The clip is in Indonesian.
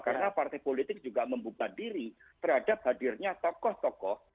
karena partai politik juga membuka diri terhadap hadirnya tokoh tokoh